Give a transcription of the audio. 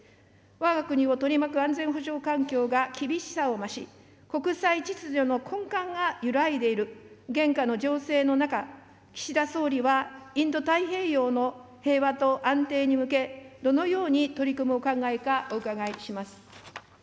わが国を取り巻く安全保障環境が厳しさを増し、国際秩序の根幹が揺らいでいる現下の情勢の中、岸田総理は、インド太平洋の平和と安定に向け、どのように取り組むお考えか、お伺いします。